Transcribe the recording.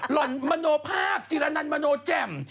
ห่อนมโนภาพจิรนันมโนแจ่ม